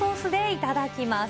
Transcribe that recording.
いただきます。